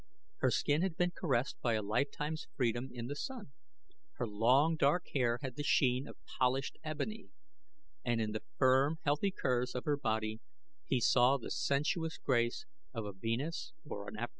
Her skin had been caressed by a lifetime's freedom in the sun; her long, dark hair had the sheen of polished ebony; and in the firm, healthy curves of her body he saw the sensuous grace of a Venus or an Aphrodite.